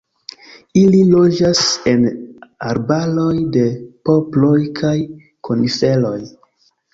Ili loĝas en arbaroj de poploj kaj koniferoj.